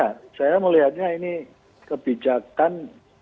ya saya melihatnya ini kebijakan